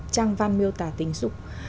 trang văn miêu tả tình xúc